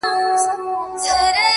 دواړه په یوه اندازه اهمیت لري -